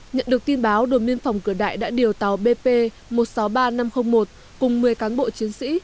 nhận được tin báo đồn biên phòng cửa đại đã điều tàu bp một trăm sáu mươi ba nghìn năm trăm linh một cùng một mươi cán bộ chiến sĩ